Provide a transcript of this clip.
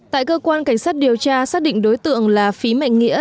tại cơ quan cảnh sát điều tra xác định đối tượng là phí mạnh nghĩa